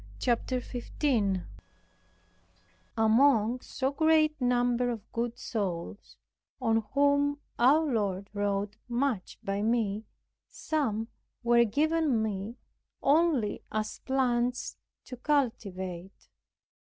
CHAPTER 15 Among so great a number of good souls, on whom our Lord wrought much by me, some were given me only as plants to cultivate.